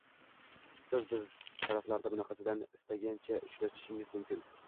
Siz biz taraflarda bunaqasidan istagancha uchratishingiz mumkin